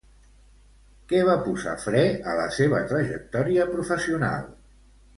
Què va posar fre a la seva trajectòria professional?